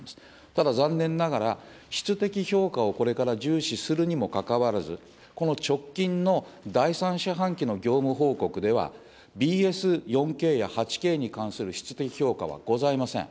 ただ残念ながら、質的評価をこれから重視するにもかかわらず、この直近の第３四半期の業務報告では、ＢＳ４Ｋや８Ｋに関する質的評価はございません。